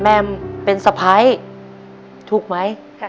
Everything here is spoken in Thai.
แมมเป็นสไพร์ถูกไหม